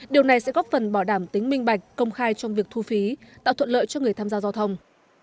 điều này sẽ góp phần bảo đảm tính minh bạch công khai trong việc thu phí tạo thuận lợi cho người tham gia giao thông